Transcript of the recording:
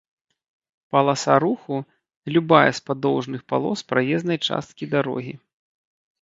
паласа руху — любая з падоўжных палос праезнай часткі дарогі